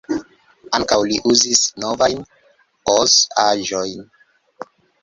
Ankaŭ li uzis "novajn" Oz-aĵojn.